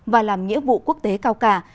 và làm nghĩa vụ quốc tế cao cả